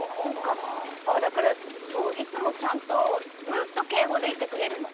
だから、いつもちゃんとずっと敬語でいてくれるの。